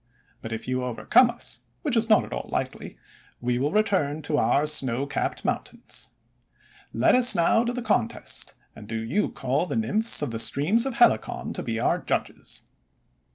But if you overcome us, — which is not at all likely, — we will return to our snow capped mountains. Let us now to the contest, and do you call the Nymphs of the streams of Helicon to be our judges."